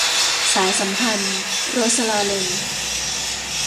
สายสัมพันธ์ - โรสลาเรน